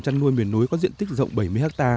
chăn nuôi miền núi có diện tích rộng bảy mươi ha